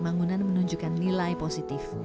mangunan menunjukkan nilai positif